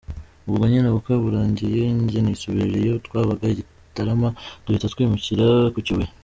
Ubwo nyine ubukwe burangiye, njye nisubirira iyo twabaga i Gitarama, duhita twimukira ku Kibuye.